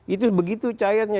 itu begitu cahayanya